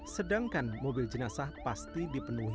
sedangkan mobil jenazah pasti dipenuhi